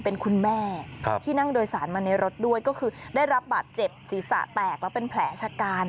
เป็นคุณแม่ที่นั่งโดยสารมาในรถด้วยก็คือได้รับบาดเจ็บศีรษะแตกแล้วเป็นแผลชะกัน